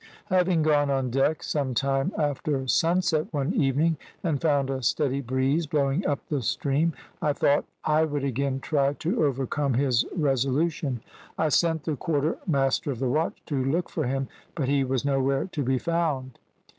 "Having gone on deck some time after sunset one evening, and found a steady breeze blowing up the stream, I thought I would again try to overcome his resolution. I sent the quartermaster of the watch to look for him, but he was nowhere to be found.